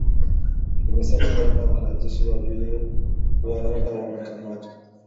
imesema kwamba wanajeshi wawili wa Rwanda wamekamatwa